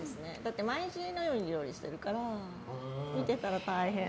だって毎日のように料理してるから見てたら大変。